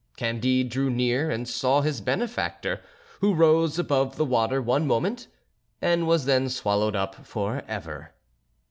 Candide drew near and saw his benefactor, who rose above the water one moment and was then swallowed up for ever.